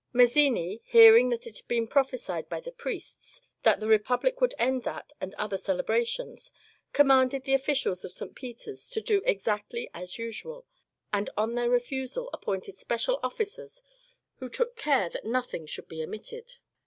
Mazzini, hearing that it had been prophesied by the priests that the Republic would end that and other celebrations, commanded the offi cials of St. Peter's to do exactly as usual, and on their refusal appointed special officers, who took care that nothing should be omitted.